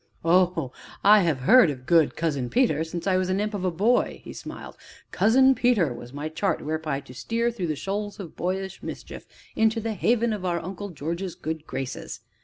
"Oh, I have heard of good Cousin Peter since I was an imp of a boy!" he smiled. "Cousin Peter was my chart whereby to steer through the shoals of boyish mischief into the haven of our Uncle George's good graces.